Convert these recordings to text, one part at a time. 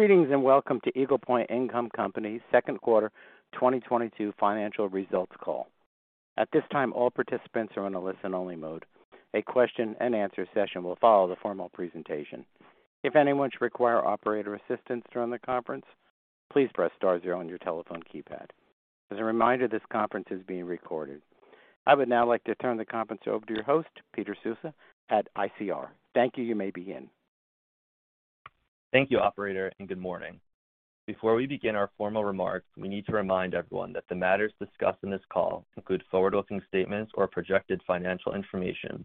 Greetings and welcome to Eagle Point Income Company's second quarter 2022 financial results call. At this time, all participants are in a listen-only mode. A question and answer session will follow the formal presentation. If anyone should require operator assistance during the conference, please press star zero on your telephone keypad. As a reminder, this conference is being recorded. I would now like to turn the conference over to your host, Peter Sceusa at ICR. Thank you. You may begin. Thank you, operator, and good morning. Before we begin our formal remarks, we need to remind everyone that the matters discussed in this call include forward-looking statements or projected financial information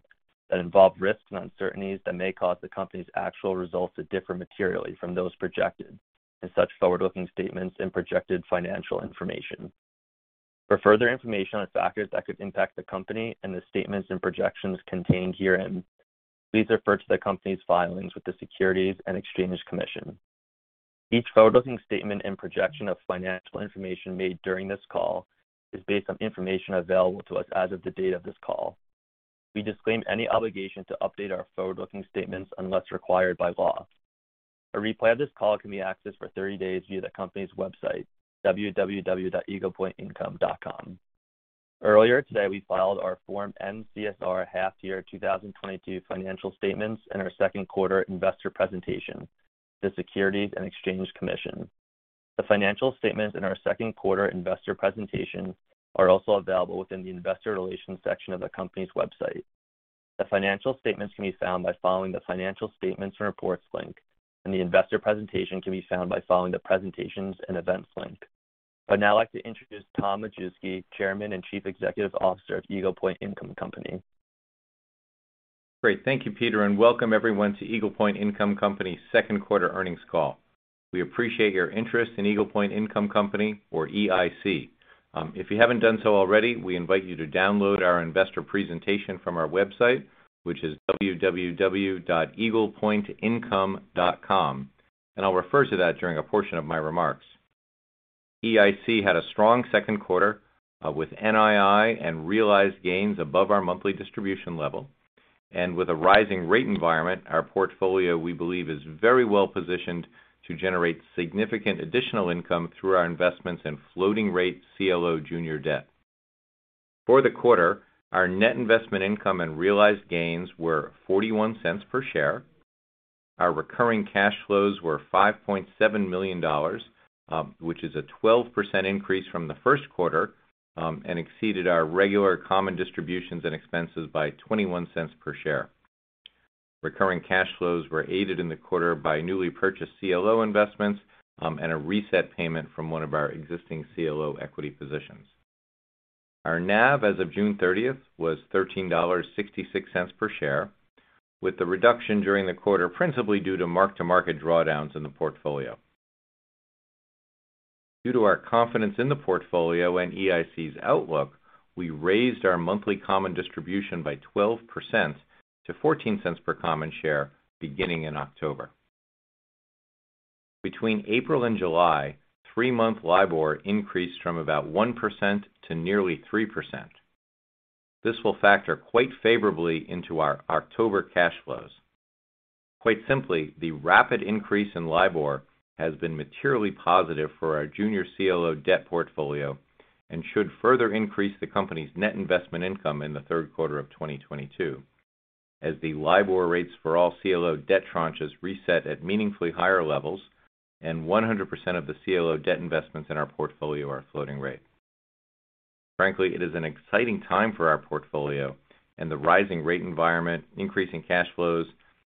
that involve risks and uncertainties that may cause the company's actual results to differ materially from those projected in such forward-looking statements and projected financial information. For further information on factors that could impact the company and the statements and projections contained herein, please refer to the company's filings with the Securities and Exchange Commission. Each forward-looking statement and projection of financial information made during this call is based on information available to us as of the date of this call. We disclaim any obligation to update our forward-looking statements unless required by law. A replay of this call can be accessed for 30 days via the company's website, www.eaglepointincome.com. Earlier today, we filed our Form NCSR half-year 2022 financial statements and our second quarter investor presentation to the Securities and Exchange Commission. The financial statements in our second quarter investor presentation are also available within the investor relations section of the company's website. The financial statements can be found by following the Financial Statements & Reports link, and the investor presentation can be found by following the Presentations & Events link. I'd now like to introduce Tom Majewski, Chairman and Chief Executive Officer of Eagle Point Income Company. Great. Thank you, Peter, and welcome everyone to Eagle Point Income Company's second quarter earnings call. We appreciate your interest in Eagle Point Income Company or EIC. If you haven't done so already, we invite you to download our investor presentation from our website, which is www.eaglepointincome.com. I'll refer to that during a portion of my remarks. EIC had a strong second quarter with NII and realized gains above our monthly distribution level. With a rising rate environment, our portfolio, we believe, is very well-positioned to generate significant additional income through our investments in floating rate CLO junior debt. For the quarter, our net investment income and realized gains were $0.41 per share. Our recurring cash flows were $5.7 million, which is a 12% increase from the first quarter, and exceeded our regular common distributions and expenses by $0.21 per share. Recurring cash flows were aided in the quarter by newly purchased CLO investments, and a reset payment from one of our existing CLO equity positions. Our NAV as of June 30 was $13.66 per share, with the reduction during the quarter principally due to mark-to-market drawdowns in the portfolio. Due to our confidence in the portfolio and EIC's outlook, we raised our monthly common distribution by 12% to $0.14 per common share beginning in October. Between April and July, three-month LIBOR increased from about 1% to nearly 3%. This will factor quite favorably into our October cash flows. Quite simply, the rapid increase in LIBOR has been materially positive for our junior CLO debt portfolio and should further increase the company's net investment income in the third quarter of 2022, as the LIBOR rates for all CLO debt tranches reset at meaningfully higher levels and 100% of the CLO debt investments in our portfolio are floating rate. Frankly, it is an exciting time for our portfolio and the rising rate environment, increasing cash flows,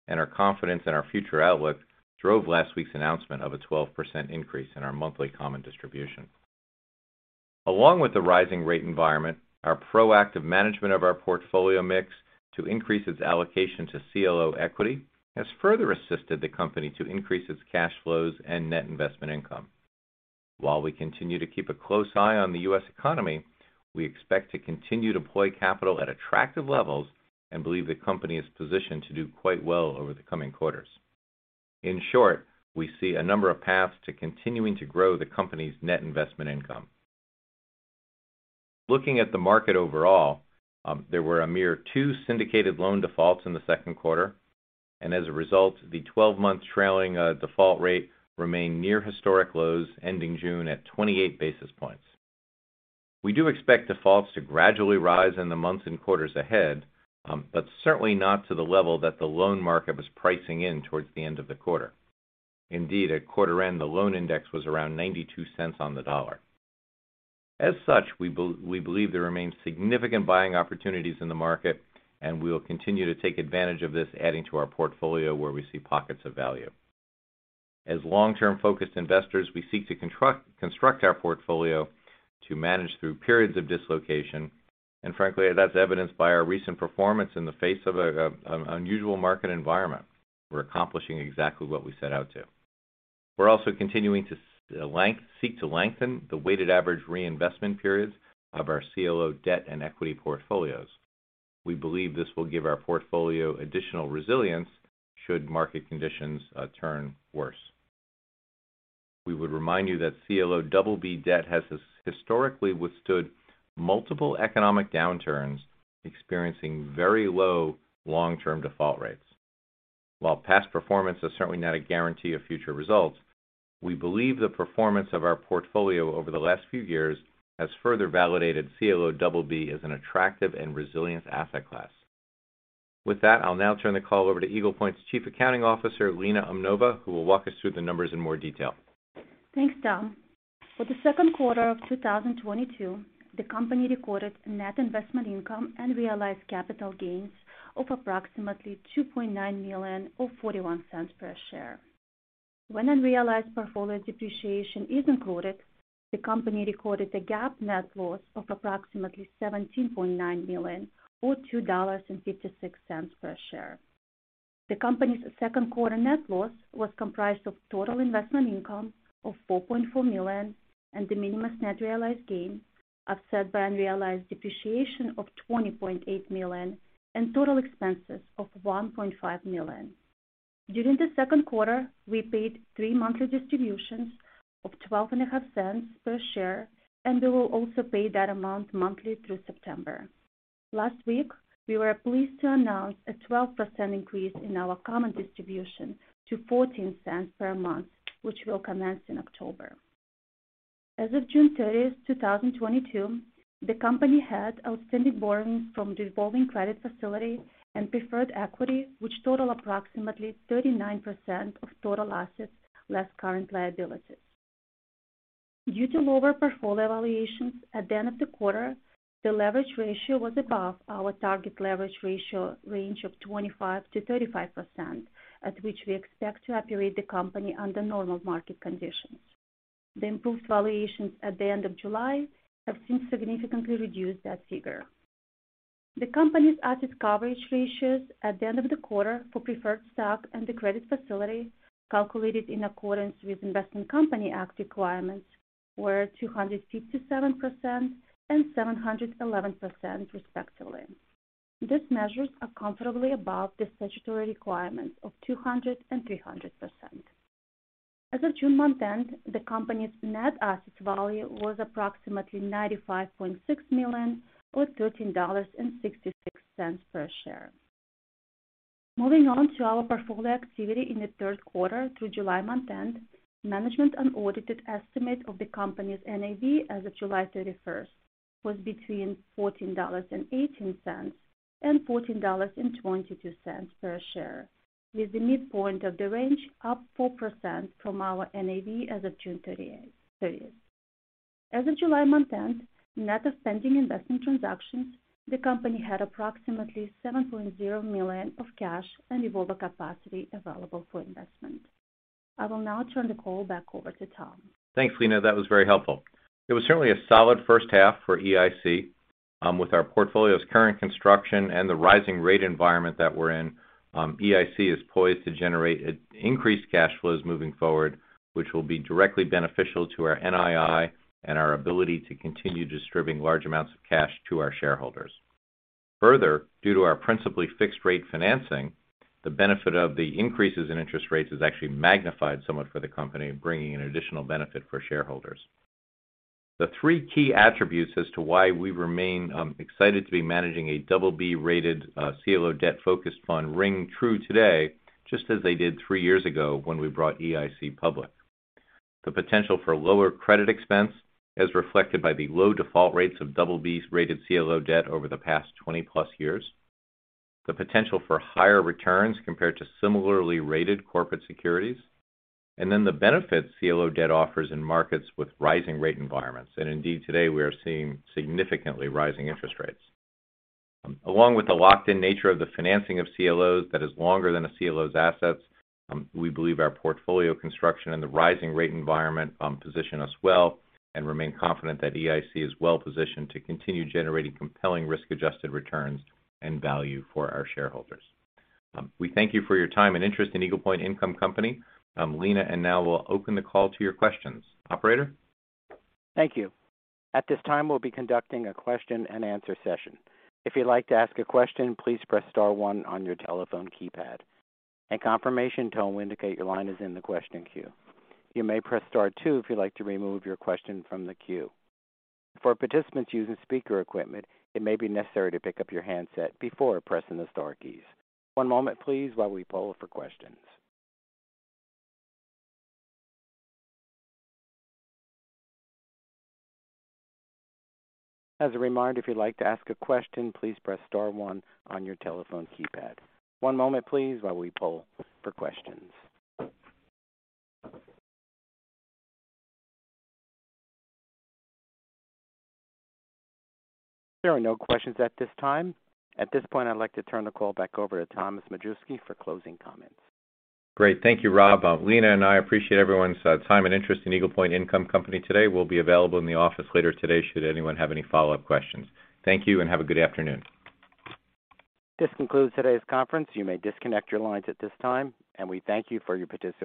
and our confidence in our future outlook drove last week's announcement of a 12% increase in our monthly common distribution. Along with the rising rate environment, our proactive management of our portfolio mix to increase its allocation to CLO equity has further assisted the company to increase its cash flows and net investment income. While we continue to keep a close eye on the U.S. economy, we expect to continue to deploy capital at attractive levels and believe the company is positioned to do quite well over the coming quarters. In short, we see a number of paths to continuing to grow the company's net investment income. Looking at the market overall, there were a mere 2 syndicated loan defaults in the second quarter, and as a result, the 12-month trailing default rate remained near historic lows ending June at 28 basis points. We do expect defaults to gradually rise in the months and quarters ahead, but certainly not to the level that the loan market was pricing in towards the end of the quarter. Indeed, at quarter end, the loan index was around $0.92. As such, we believe there remains significant buying opportunities in the market, and we will continue to take advantage of this, adding to our portfolio where we see pockets of value. As long-term-focused investors, we seek to construct our portfolio to manage through periods of dislocation, and frankly, that's evidenced by our recent performance in the face of an unusual market environment. We're accomplishing exactly what we set out to. We're also continuing to seek to lengthen the weighted average reinvestment periods of our CLO debt and equity portfolios. We believe this will give our portfolio additional resilience should market conditions turn worse. We would remind you that CLO BB debt has historically withstood multiple economic downturns, experiencing very low long-term default rates. While past performance is certainly not a guarantee of future results, we believe the performance of our portfolio over the last few years has further validated CLO BB as an attractive and resilient asset class. With that, I'll now turn the call over to Eagle Point's Chief Accounting Officer, Lena Umnova, who will walk us through the numbers in more detail. Thanks, Tom. For the second quarter of 2022, the company recorded net investment income and realized capital gains of approximately $2.9 million or $0.41 per share. When unrealized portfolio depreciation is included, the company recorded a GAAP net loss of approximately $17.9 million or $2.56 per share. The company's second quarter net loss was comprised of total investment income of $4.4 million and de minimis net realized gain, offset by unrealized depreciation of $20.8 million and total expenses of $1.5 million. During the second quarter, we paid 3 monthly distributions of $0.125 per share, and we will also pay that amount monthly through September. Last week, we were pleased to announce a 12% increase in our common distribution to $0.14 per month, which will commence in October. As of June 30, 2022, the company had outstanding borrowings from revolving credit facility and preferred equity, which total approximately 39% of total assets, less current liabilities. Due to lower portfolio valuations at the end of the quarter, the leverage ratio was above our target leverage ratio range of 25%-35%, at which we expect to operate the company under normal market conditions. The improved valuations at the end of July have since significantly reduced that figure. The company's asset coverage ratios at the end of the quarter for preferred stock and the credit facility, calculated in accordance with Investment Company Act requirements, were 267% and 711% respectively. These measures are comfortably above the statutory requirements of 200% and 300%. As of June month end, the company's net asset value was approximately $95.6 million or $13.66 per share. Moving on to our portfolio activity in the third quarter through July month end. Management unaudited estimate of the company's NAV as of July thirty-first was between $14.18 and $14.22 per share, with the midpoint of the range up 4% from our NAV as of June 30. As of July month end, net of pending investment transactions, the company had approximately $7.0 million of cash and revolver capacity available for investment. I will now turn the call back over to Tom. Thanks, Lena. That was very helpful. It was certainly a solid first half for EIC. With our portfolio's current construction and the rising rate environment that we're in, EIC is poised to generate increased cash flows moving forward, which will be directly beneficial to our NII and our ability to continue distributing large amounts of cash to our shareholders. Further, due to our principally fixed rate financing, the benefit of the increases in interest rates is actually magnified somewhat for the company, bringing an additional benefit for shareholders. The three key attributes as to why we remain excited to be managing a BB rated CLO debt-focused fund ring true today, just as they did three years ago when we brought EIC public. The potential for lower credit expense is reflected by the low default rates of BB-rated CLO debt over the past 20+ years, the potential for higher returns compared to similarly rated corporate securities, and then the benefits CLO debt offers in markets with rising rate environments. Indeed, today we are seeing significantly rising interest rates. Along with the locked in nature of the financing of CLOs that is longer than a CLO's assets, we believe our portfolio construction and the rising rate environment position us well and remain confident that EIC is well positioned to continue generating compelling risk-adjusted returns and value for our shareholders. We thank you for your time and interest in Eagle Point Income Company. Lena and I will open the call to your questions. Operator? There are no questions at this time. At this point, I'd like to turn the call back over to Thomas Majewski for closing comments. Great. Thank you, Rob. Lena and I appreciate everyone's time and interest in Eagle Point Income Company today. We'll be available in the office later today should anyone have any follow-up questions. Thank you and have a good afternoon. This concludes today's conference. You may disconnect your lines at this time, and we thank you for your participation.